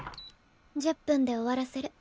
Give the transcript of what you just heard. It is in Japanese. １０分で終わらせる。